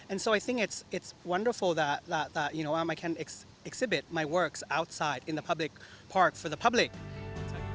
ini sangat menakjubkan saya bisa menunjukkan karya saya di luar di park publik untuk masyarakat